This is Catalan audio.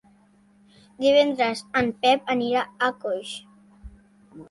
Divendres en Pep anirà a Coix.